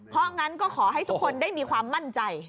เพราะงั้นก็ขอให้ทุกคนได้มีความมั่นใจ